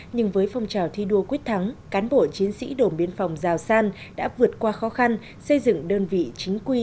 nhưng với phong trào thi đua quyết thắng cán bộ chiến sĩ đồn biên phòng giào san đã vượt qua khó khăn xây dựng đơn vị chính quy